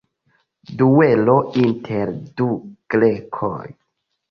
Duelo inter du grekoj.